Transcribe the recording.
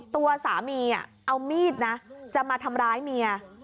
ตัวสามีเอามีดนะจะมาทำร้ายเมีย